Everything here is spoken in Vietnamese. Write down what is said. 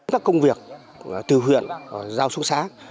các công việc từ huyện giao xuống xá